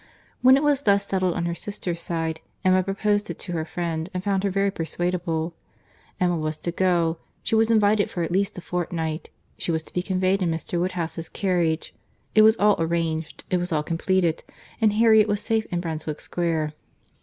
—When it was thus settled on her sister's side, Emma proposed it to her friend, and found her very persuadable.—Harriet was to go; she was invited for at least a fortnight; she was to be conveyed in Mr. Woodhouse's carriage.—It was all arranged, it was all completed, and Harriet was safe in Brunswick Square.